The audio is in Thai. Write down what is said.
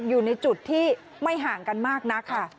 อยู่ในจุดที่ไม่ห่างกันมากนักค่ะ